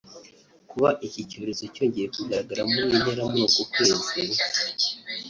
Kuba iki cyorezo cyongeye kugaragara muri iyi Ntara muri uku kwezi